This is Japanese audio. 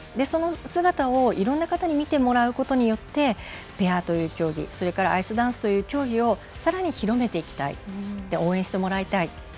その姿を、いろんな方に見てもらうことによってペアという競技、それからアイスダンスという競技をさらに広めていきたい応援してもらいたい。